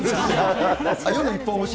夜一本推し？